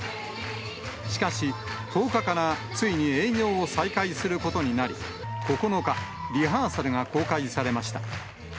しかし、１０日からついに営業を再開することになり、９日、リハーサルが公開されました。